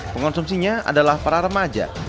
pengonsumsinya adalah para remaja